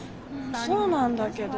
そうなんだけど。